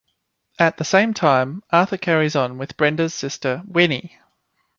At the same time, Arthur carries on with Brenda's sister Winnie.